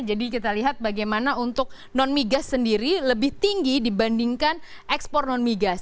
jadi kita lihat bagaimana untuk non migas sendiri lebih tinggi dibandingkan ekspor non migas